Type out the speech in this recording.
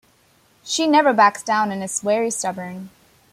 She never backs down and is very stubborn.